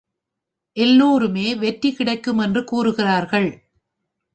எல்லோருமே வெற்றி கிடைக்கும் என்று கூறுகிறார்கள்.